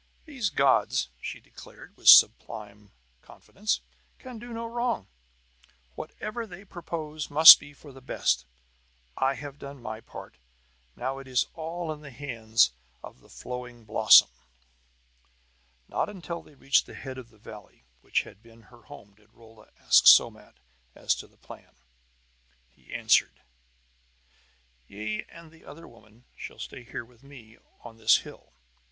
"These gods," she declared with sublime confidence, "can do no wrong! Whatever they propose must be for the best! I have done my part; now it is all in the hands of the Flowing Blossom!" Not until they reached the head of the valley which had been her home did Rolla ask Somat as to the plan. He answered: "Ye and the other woman shall stay here with me, on this hill."